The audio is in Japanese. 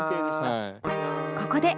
ここで☆